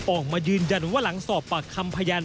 ออกมายืนยันว่าหลังสอบปากคำพยาน